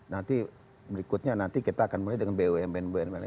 nanti berikutnya nanti kita akan mulai dengan bumn bumn